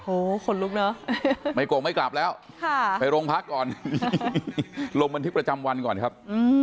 ขนลุกเนอะไม่โกงไม่กลับแล้วไปโรงพักก่อนลงบันทึกประจำวันก่อนครับ